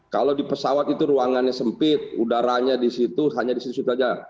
kalau di pesawat itu ruangannya sempit udaranya di situ hanya di situ situ saja